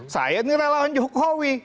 saya nyerah lawan jokowi